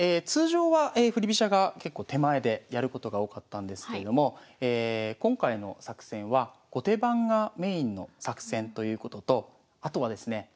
通常は振り飛車が結構手前でやることが多かったんですけれども今回の作戦は後手番がメインの作戦ということとあとはですね